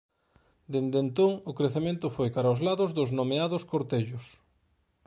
Dende entón o crecemento foi cara aos lados dos nomeados cortellos.